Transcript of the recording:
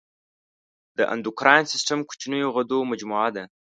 د اندوکراین سیستم کوچنیو غدو مجموعه ده.